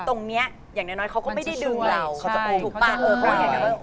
ตรงนี้อย่างน้อยเขาก็ไม่ได้ดึงเราเขาจะอุ่มเขาจะอุ่ม